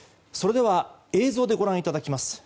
それでは映像でご覧いただきます。